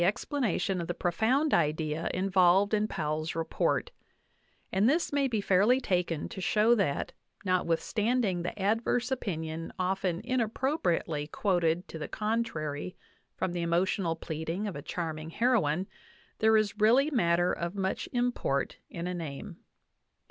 VIII planation of the profound idea involved in Powell's report; and this may be fairly taken to show that, notwithstanding the adverse opinion often inappropriately quoted to> the contrary from the emotional pleading of a charming heroine, there is really matter of much import in a name.